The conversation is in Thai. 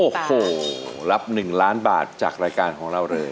โอ้โหรับ๑ล้านบาทจากรายการของเราเลย